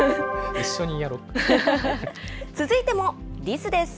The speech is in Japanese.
続いてもリスです。